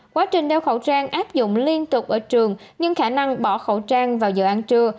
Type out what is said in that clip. quá trình đeo khẩu trang áp dụng liên tục ở trường nhưng khả năng bỏ khẩu trang vào giờ ăn trưa